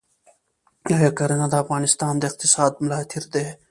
آیا کرنه د افغانستان د اقتصاد ملا تیر دی؟